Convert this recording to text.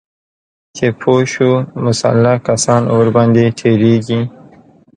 چې پوه شو مسلح کسان ورباندې تیریږي